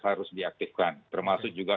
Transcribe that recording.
harus diaktifkan termasuk juga